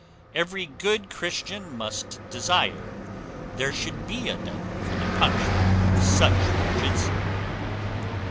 Every good Christian must desire there should be a devil for the punishment of such wretches."